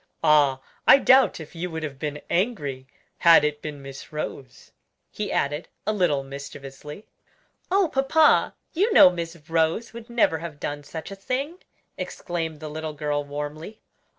"Ah! I doubt if you would have been angry had it been Miss Rose," he added, a little mischievously. "Oh, papa, you know Miss Rose would never have done such a thing!" exclaimed the little girl warmly.